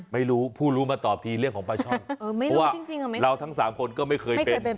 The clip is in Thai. ไหมแน่